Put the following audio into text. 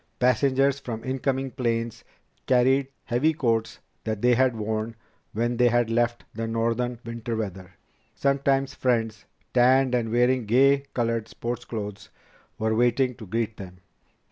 Passengers from incoming planes carried heavy coats that they had worn when they had left the northern winter weather. Sometimes friends, tanned and wearing gay colored sports clothes, were waiting to greet them.